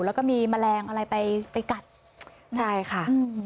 แล้วก็มีแมลงอะไรไปไปกัดใช่ค่ะ